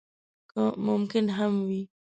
که ممکن هم وي.